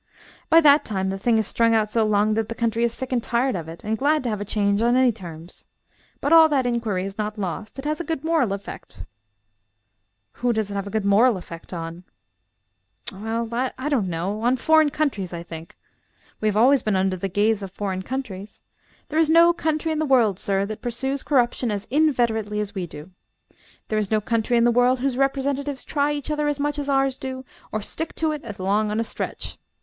"By that time, the thing has strung out so long that the country is sick and tired of it and glad to have a change on any terms. But all that inquiry is not lost. It has a good moral effect." "Who does it have a good moral effect on?" "Well I don't know. On foreign countries, I think. We have always been under the gaze of foreign countries. There is no country in the world, sir, that pursues corruption as inveterately as we do. There is no country in the world whose representatives try each other as much as ours do, or stick to it as long on a stretch.